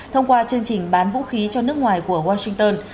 thông qua chương trình bán vũ khí cho nước ngoài của washington